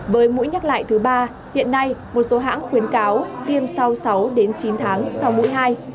với mũi nhắc lại thứ ba hiện nay một số hãng khuyến cáo tiêm sau sáu đến chín tháng sau mũi hai